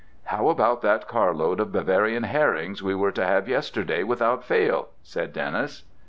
"How about that carload of Bavarian herrings we were to have yesterday without fail?" said Dennis.